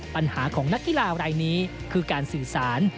ปัญหาของนักกีฬารายนี้คือการสื่อสาร